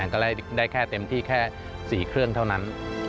ก็ได้แค่เต็มที่แค่๔เครื่องเท่านั้น